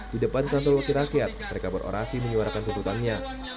di depan kantor wakil rakyat mereka berorasi menyuarakan tuntutannya